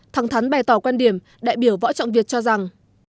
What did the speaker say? thẳng thắn bày tỏ quan điểm đại biểu võ trọng việt cho rằng